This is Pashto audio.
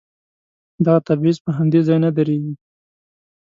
دغه تبعيض په همدې ځای نه درېږي.